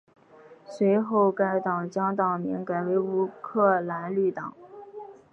随后该党将党名改为乌克兰绿党。